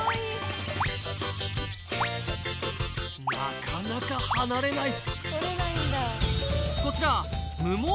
なかなか離れない！